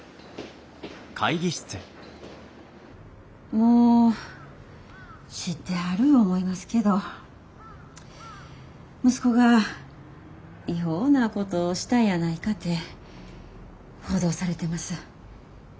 もう知ってはる思いますけど息子が違法なことしたんやないかて報道されてます。